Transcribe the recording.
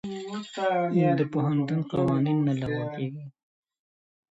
د پوهنتون قوانین نه لغوه کېږي.